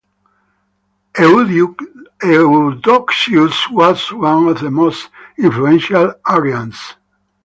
Eudoxius was one of the most influential Arians.